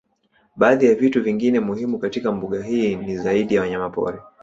Baadhi ya vitu vingine muhimu katika mbuga hii ni zaidi ya wanyamapori